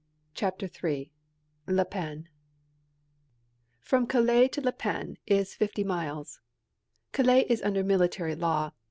CHAPTER III LA PANNE From Calais to La Panne is fifty miles. Calais is under military law.